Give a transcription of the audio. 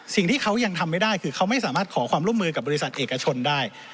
สิ่งที่เขายังทำไม่ได้คือเขาไม่สามารถขอความร่วมมือกับบริษัทเอกชนได้